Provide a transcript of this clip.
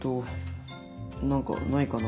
何かないかな？